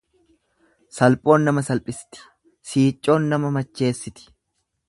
Salphoon nama salphisti, siiccoon nama macheessiti.